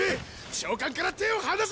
長官から手を離せ！